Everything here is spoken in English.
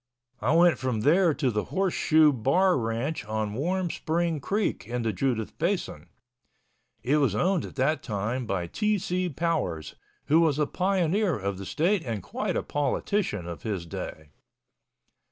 I went from there to the Horse Shoe Bar Ranch on Warm Spring Creek in the Judith Basin. It was owned at that time by T. C. Powers, who was a pioneer of the state and quite a politician of his day.